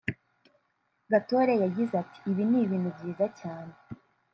Gatore yagize ati “Ibi ni ibintu byiza cyane